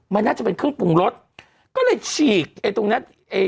มันน่าจะเป็นเครื่องปรุงรสก็เลยฉีกไอ้ตรงนั้นไอ้